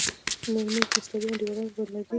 نو زموږ مستري انډيوالان ورباندې لګېږي.